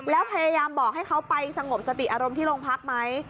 แล้วพยายามบอกให้เขาไปสงบสติอารมณ์ที่โรงพักไหม